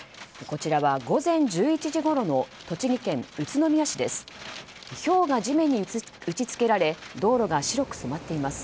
こちらは午前１１時ごろの栃木県宇都宮市です。